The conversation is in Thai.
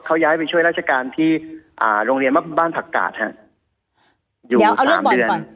เขาย้ายไปช่วยราชการที่โรงเรียนบ้านผักกาศอยู่๓เดือน